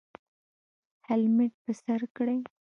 هیلمټ په سر کړئ